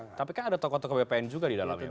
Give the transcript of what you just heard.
oke tapi kan ada tokoh tokoh bpn juga di dalamnya pak